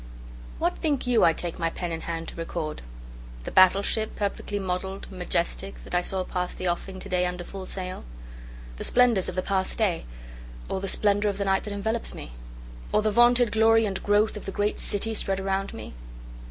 WHAT think you I take my pen in hand to record? The battle ship, perfect model'd, majestic, that I saw pass the offing to day under full sail? The splendors of the past day? Or the splendor of the night that envelopes me? Or the vaunted glory and growth of the great city spread around me?